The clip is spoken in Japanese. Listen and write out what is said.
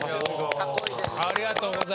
かっこいいです。